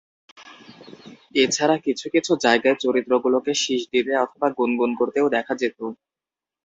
এছাড়া, কিছু কিছু জায়গায় চরিত্রগুলোকে শিস দিতে অথবা গুনগুন করতেও দেখা যেত।